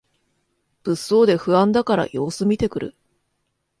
物騒で不安だから様子みてくる